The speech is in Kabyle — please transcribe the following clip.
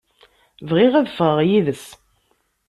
Bɣiɣ ad ffɣeɣ yid-s.